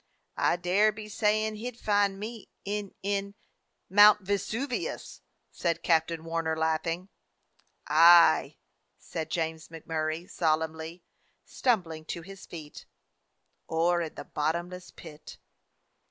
I dare be saying he 'd find me in— in— " "Mount Vesuvius," said Captain Warner, laughing. "Aye," said James MacMurray solemnly, stumbling to his feet, "or in the bottomless pit."